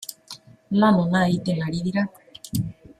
Lan ona egiten ari dira.